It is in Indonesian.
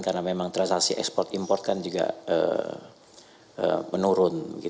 karena transaksi ekspor import kan juga menurun